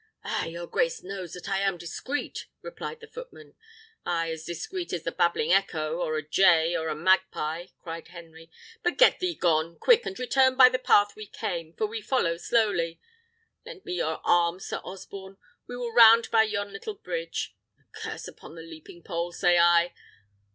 "Ah! your grace knows that I am discreet," replied the footman. "Ay, as discreet as the babbling echo, or a jay, or a magpie," cried Henry; "but get thee gone, quick! and return by the path we came, for we follow slowly. Lend me your arm, Sir Osborne. We will round by yon little bridge. A curse upon the leaping pole, say I!